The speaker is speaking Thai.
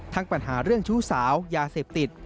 ปัญหาเรื่องชู้สาวยาเสพติด